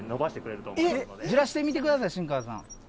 じらしてみてください新川さん。